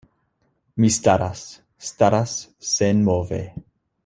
Mi staras, staras senmove.